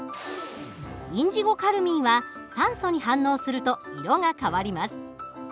インジゴカルミンは酸素に反応すると色が変わります。